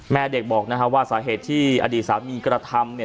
แม่เด็กบอกนะฮะว่าสาเหตุที่อดีตสามีกระทำเนี่ย